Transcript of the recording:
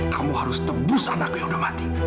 kamu harus tebus anakku yang udah mati